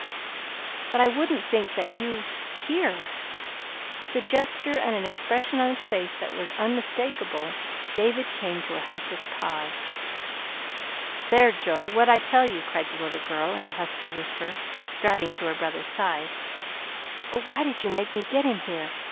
But I wouldn't think that YOU HERE " With a gesture, and an expression on his face that were unmistakable, David came to a helpless pause. "There, Joe, what'd I tell you," cried the little girl, in a husky whisper, darting to her brother's side. "Oh, why did you make me get him here?